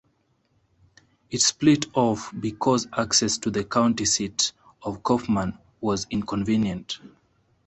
It split off because access to the county seat of Kaufman was inconvenient.